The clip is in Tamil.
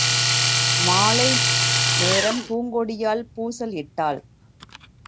மாலைநேரம், பூங்கொடியாள் பூசல் இட்டாள்.